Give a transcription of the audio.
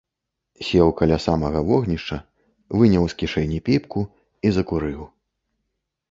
Сеў каля самага вогнішча, выняў з кішэні піпку і закурыў.